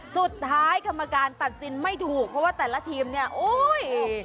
สุดท้ายคำมาการตัดสินไม่ถูกเพราะว่าแต่ละทีมนี่อุ๊ย